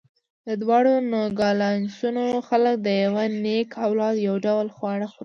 د دواړو نوګالسونو خلک د یوه نیکه اولاد، یو ډول خواړه خوري.